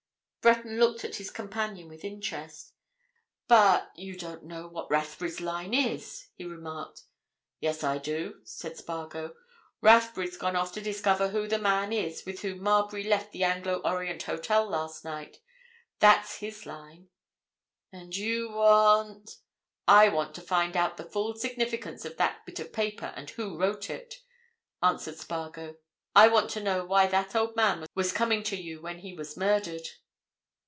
Breton looked at his companion with interest. "But—you don't know what Rathbury's line is," he remarked. "Yes, I do," said Spargo. "Rathbury's gone off to discover who the man is with whom Marbury left the Anglo Orient Hotel last night. That's his line." "And you want——?" "I want to find out the full significance of that bit of paper, and who wrote it," answered Spargo. "I want to know why that old man was coming to you when he was murdered."